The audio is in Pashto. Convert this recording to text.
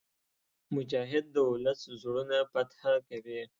مجاهد د ولس زړونه فتح کوي.